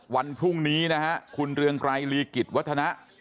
วันพรุ่งนี้นะฮะคุณเรืองไกรลีกิจวัฒนะ